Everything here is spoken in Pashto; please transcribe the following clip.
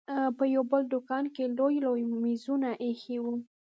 په يو بل دوکان کښې لوى لوى مېزونه ايښي وو.